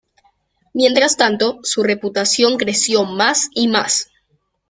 Mientras tanto, su reputación creció más y más.